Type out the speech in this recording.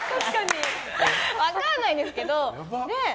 分かんないんですけど。